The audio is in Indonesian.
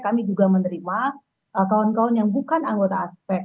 kami juga menerima kawan kawan yang bukan anggota aspek